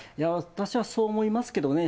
私はそう思いますけどね。